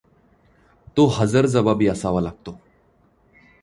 तो हजरजबाबी असावा लागतो.